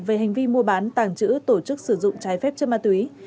về hành vi mua bán tàng trữ tổ chức sử dụng trái phép chất ma túy